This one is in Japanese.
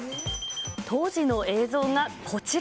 当時の映像がこちら。